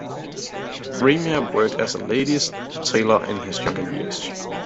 Reimer worked as a ladies' tailor in his younger years.